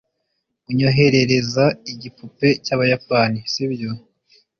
Unyoherereza igipupe cyabayapani, sibyo?